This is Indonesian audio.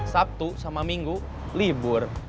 sabtu sama minggu libur